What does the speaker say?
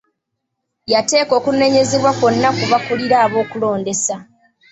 Yateeka okunenyezebwa kwonna ku bakulira abalondesa.